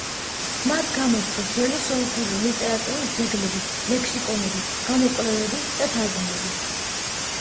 მათ გამოსცეს ძველი სომხური ლიტერატურის ძეგლები, ლექსიკონები, გამოკვლევები, თარგმანები.